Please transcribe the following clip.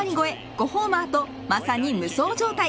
５ホーマーとまさに無双状態。